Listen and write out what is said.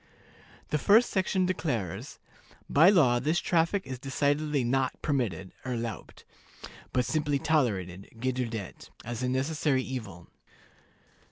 The first section declares, "By law this traffic is decidedly not permitted (erlaubt), but simply tolerated (geduldet) as a necessary evil."